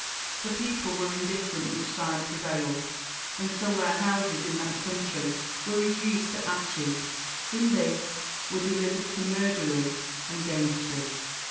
The people were indifferent which side pre vailed, until their houses in that country were reduced to ashes ; in this, were delivered to murderers and gamesters. Quinctus.